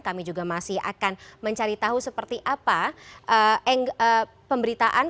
kami juga masih akan mencari tahu seperti apa pemberitaan